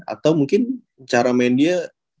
atau mungkin cara main dia